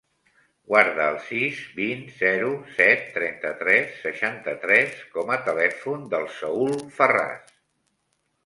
Guarda el sis, vint, zero, set, trenta-tres, seixanta-tres com a telèfon del Saül Farras.